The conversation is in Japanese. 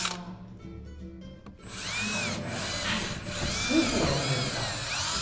スープを飲んでいるみたい。